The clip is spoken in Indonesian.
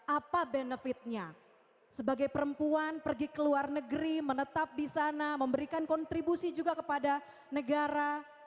apa benefitnya sebagai perempuan pergi ke luar negeri menetap di sana memberikan kontribusi juga kepada negara